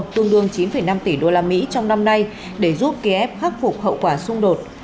tương đương chín năm tỷ usd trong năm nay để giúp kiev khắc phục hậu quả xung đột